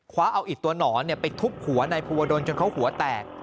ขวาเอาอีกตัวหนอนทุบหัวในผูวดนจนเขาหัวแตก